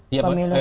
pemilu serentak ya